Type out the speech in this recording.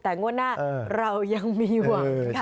แต่งวดหน้าเรายังมีหวัง